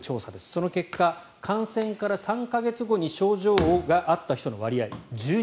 その結果、感染から３か月後に症状があった人の割合、１２％。